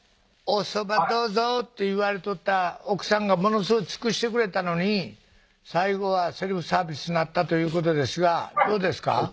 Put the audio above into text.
「おそばどうぞ」って言われとった奥さんがものすごい尽くしてくれたのに最後はセルフサービスなったということですがどうですか？